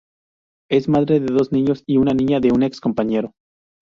Es madre de dos niños y una niña de un ex compañero.